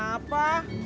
wum puyah sama sama